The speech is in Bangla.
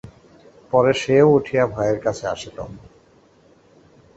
পরে সেও উঠিয়া ভাইয়ের কাছে আসিল।